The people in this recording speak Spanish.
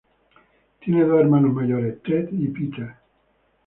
Tiene dos hermanos mayores, Ted y Peder.